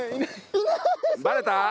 バレた？